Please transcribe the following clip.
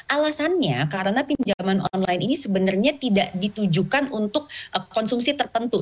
alasannya karena pinjaman online ini sebenarnya tidak ditujukan untuk konsumsi tertentu